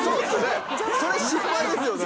それ失敗ですよね。